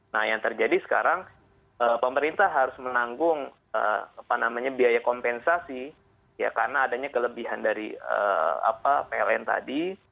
nah yang terjadi sekarang pemerintah harus menanggung biaya kompensasi karena adanya kelebihan dari pln tadi